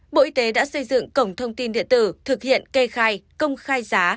bộ y tế đã xây dựng cổng thông tin điện tử thực hiện kê khai công khai giá